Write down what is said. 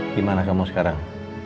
gimana kamu sekarang